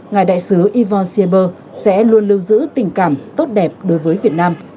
ngài đại sứ yvonne sieber sẽ luôn lưu giữ tình cảm tốt đẹp đối với việt nam